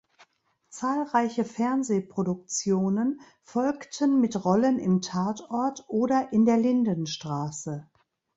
Zahlreiche Fernsehproduktionen folgten mit Rollen im Tatort oder in der Lindenstraße.